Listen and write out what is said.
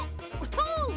とう！